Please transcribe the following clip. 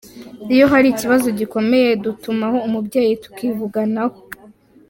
Iyo hari ikibazo gikomeye dutumaho umubyeyi tukakivuganaho.